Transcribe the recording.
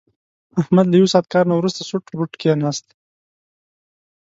احمد له یو ساعت کار نه ورسته سوټ بوټ کېناست.